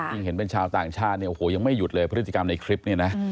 เห็นเป็นชาวต่างชาติเนี่ยโอ้โหยังไม่หยุดเลยพฤติกรรมในคลิปเนี่ยนะ